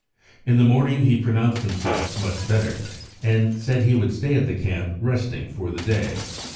In the morning he pronounced himself much better, and said he would stay at the camp, resting, for the day.